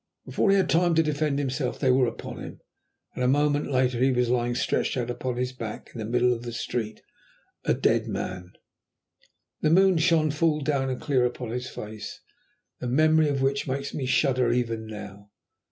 Before he had time to defend himself, they were upon him, and a moment later he was lying stretched out upon his back in the middle of the street, a dead man. The moon shone down full and clear upon his face, the memory of which makes me shudder even now.